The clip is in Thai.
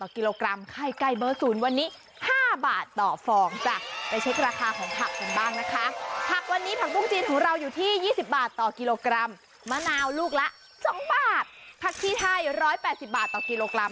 ของเราอยู่ที่ยี่สิบบาทต่อกิโลกรัมมะนาวลูกละสองบาทพักที่ไทยร้อยแปดสิบบาทต่อกิโลกรัม